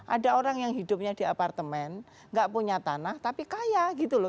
ada orang yang hidupnya di apartemen gak punya tanah tapi kaya gitu loh